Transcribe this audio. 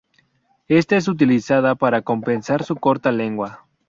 Esta es utilizada para compensar su corta lengua.